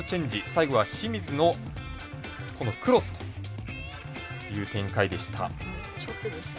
最後は清水のクロスという展開でした。